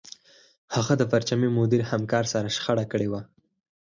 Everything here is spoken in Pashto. هغه د پرچمي مدیر همکار سره شخړه کړې وه